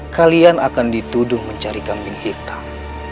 kalian akan dituduh mencari kambing hitam